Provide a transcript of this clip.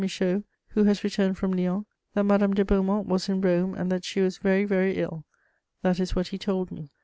Michaud, who has returned from Lyons, that Madame de Beaumont was in Rome and that she was very, very ill: that is what he told me.